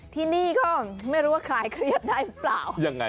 ที่นี่ก็ไม่รู้ว่าใครเครียดได้หรือเปล่า